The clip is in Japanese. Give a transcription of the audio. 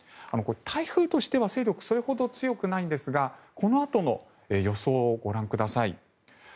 台風としては勢力、それほど強くないんですがこのあとの予想をご覧ください。